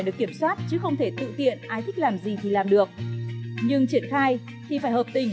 để kiểm soát chứ không thể tự tiện ai thích làm gì thì làm được nhưng triển khai thì phải hợp tình